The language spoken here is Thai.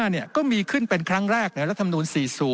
๒๘๕เนี่ยก็มีขึ้นเป็นครั้งแรกในรัฐธรรมดูล๔๐